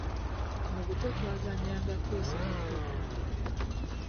Mu buto twazannyanga kwiso ne ttepo.